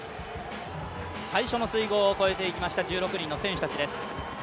最初の水濠を越えていきました１１人の選手たちです。